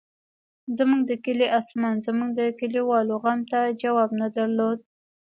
زموږ د کلي اسمان زموږ د کلیوالو غم ته جواب نه درلود.